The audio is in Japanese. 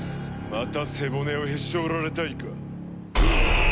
また背骨をへし折られたいか？